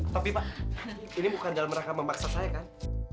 tapi pak ini bukan dalam rangka memaksa saya kan